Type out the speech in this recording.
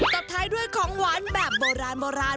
ต่อท้ายด้วยของหวานแบบโบราณ